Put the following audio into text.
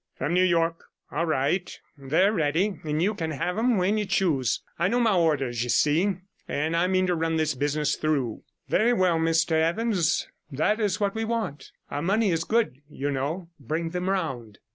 'From New York.' 'All right; they're ready, and you can have 'em when you choose. I know my orders, you see, and I mean to run this business through.' 23 'Very well, Mr Evans, that is what we want. Our money is good, you know. Bring them round.'